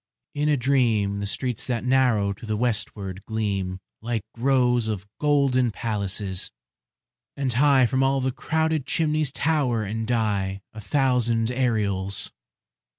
In a dream The streets that narrow to the westward gleam Like rows of golden palaces; and high From all the crowded chimneys tower and die A thousand aureoles.